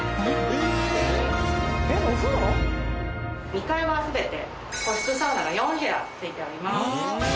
２階は全て個室サウナが４部屋ついております。